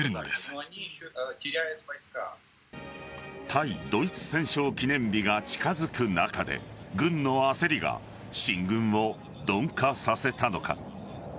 対ドイツ戦勝記念日が近づく中で軍の焦りが進軍を鈍化させたのか。